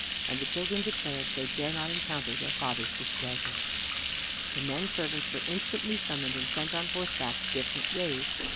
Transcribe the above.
And the children declared they dare not encounter their father's displeasure. The men servants were instantly summoned and sent on horseback different ways.